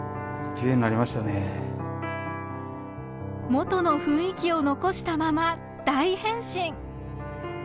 元の雰囲気を残したまま大変身！